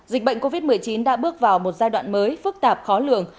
dịch bệnh covid một mươi chín đã bước vào một giai đoạn mới phức tạp khó lường